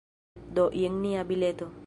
Do, jen nia bileto.